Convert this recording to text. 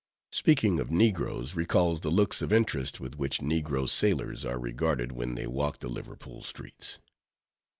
Speaking of negroes, recalls the looks of interest with which negro sailors are regarded when they walk the Liverpool streets.